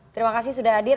terima kasih sudah hadir